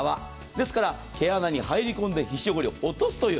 ですから、毛穴に入り込んで皮脂汚れを落とすという。